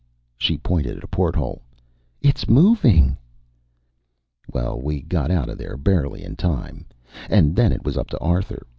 She pointed at a porthole. "It's moving!" Well, we got out of there barely in time. And then it was up to Arthur.